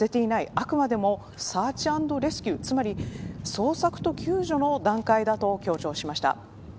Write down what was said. あくまでもサーチアンドレスキュー、つまり捜索と救助の段階だと強調しました。